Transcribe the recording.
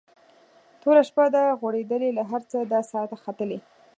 توره شپه ده غوړېدلې له هر څه ده ساه ختلې